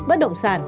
bất động sản